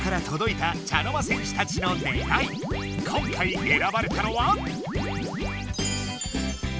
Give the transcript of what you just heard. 今回えらばれたのは？